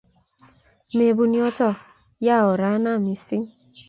Mepun yotok, ya oranna missing'.